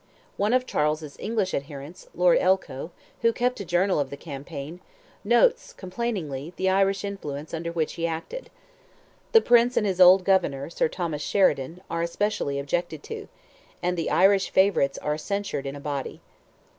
One of Charles's English adherents, Lord Elcho, who kept a journal of the campaign, notes, complainingly, the Irish influence under which he acted. "The prince and his old governor, Sir Thomas Sheridan," are especially objected to, and the "Irish favourites" are censured in a body.